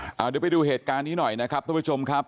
เดี๋ยวไปดูเหตุการณ์นี้หน่อยนะครับทุกผู้ชมครับ